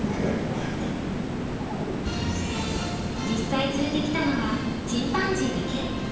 実際連れてきたのはチンパンジーだけ。